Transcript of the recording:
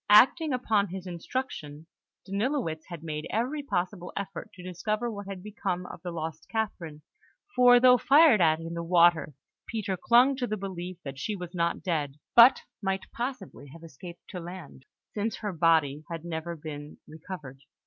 Acting upon his instructions, Danilowitz had made every possible effort to discover what had become of the lost Catherine; for, though fired at in the water, Peter clung to the belief that she was not dead, but might possibly have escaped to land, since her body had never been recovered.